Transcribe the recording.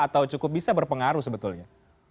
atau cukup bisa berpengaruh sebetulnya